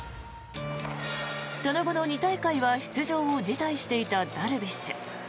その後の２大会は出場を辞退していたダルビッシュ。